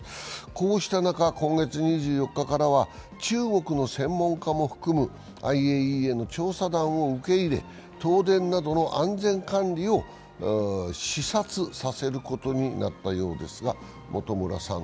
こうした中、今月２４日からは中国の専門家も含むＩＡＥＡの調査団を受け入れ東電などの安全管理を視察させることになったようですが。